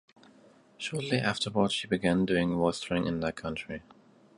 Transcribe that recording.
Shortly afterward she began doing voice training in that country.